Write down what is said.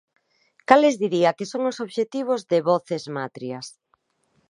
Cales diría que son os obxectivos de Voces Matrias?